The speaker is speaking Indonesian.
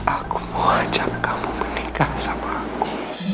aku mau ajak kamu menikah sama aku